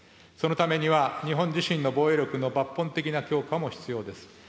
そのためには、日本自身の防衛力の抜本的な強化も必要です。